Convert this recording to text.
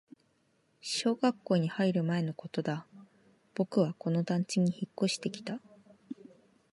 小学校に入る前のことだ、僕はこの団地に引っ越してきた